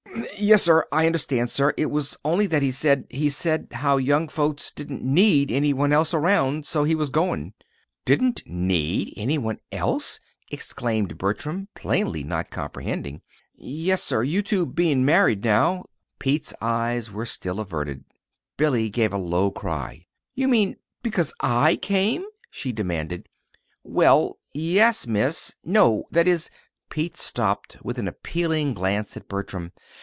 "Yes, sir. I understand, sir. It was only that he said he said as how young folks didn't need any one else around. So he was goin'." "Didn't need any one else!" exclaimed Bertram, plainly not comprehending. "Yes, sir. You two bein' married so, now." Pete's eyes were still averted. Billy gave a low cry. "You mean because I came?" she demanded. "Why, yes, Miss no that is " Pete stopped with an appealing glance at Bertram.